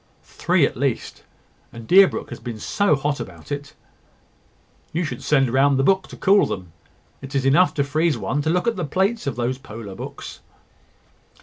"Three at least; and Deerbrook has been so hot about it " "You should send round the book to cool them. It is enough to freeze one to look at the plates of those polar books."